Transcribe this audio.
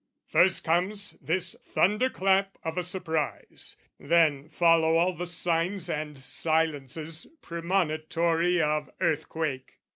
First comes this thunderclap of a surprise: Then follow all the signs and silences Premonitory of earthquake.